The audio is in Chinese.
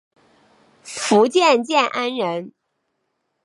福建建安人。